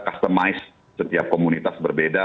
customize setiap komunitas berbeda